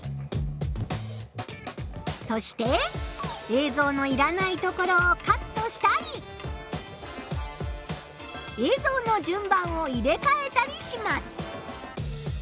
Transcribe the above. そして映像のいらないところをカットしたり映像の順番を入れかえたりします。